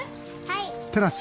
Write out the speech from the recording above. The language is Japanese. はい。